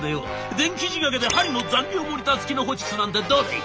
電気仕掛けで針の残量モニター付きのホチキスなんてどうだい？